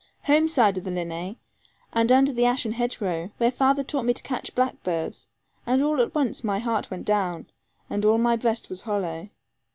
Home side of the linhay, and under the ashen hedge row, where father taught me to catch blackbirds, all at once my heart went down, and all my breast was hollow.